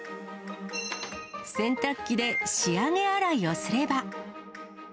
洗濯機で仕上げ洗いをすれば。